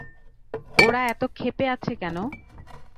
ওরা এত ক্ষেপে আছে কেন?